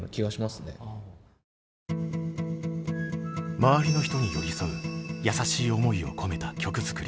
周りの人に寄り添う優しい思いを込めた曲作り。